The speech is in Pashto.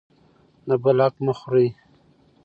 د بل حق مه خورئ.